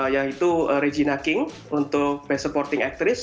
yaitu regina king untuk best supporting actress